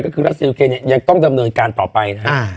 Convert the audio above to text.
ก็คือรัสเซียโอเคเนี่ยยังต้องดำเนินการต่อไปนะครับ